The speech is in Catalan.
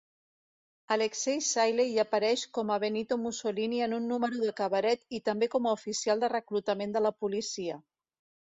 Alexei Sayle hi apareix com a Benito Mussolini en un número de cabaret i també com a oficial de reclutament de la policia.